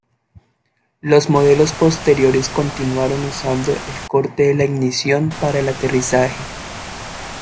Los modelos posteriores continuaron usando el corte de la ignición para el aterrizaje.